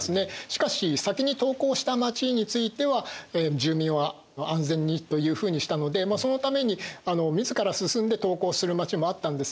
しかし先に投降した町については住民は安全にというふうにしたのでそのために自ら進んで投降する町もあったんですね。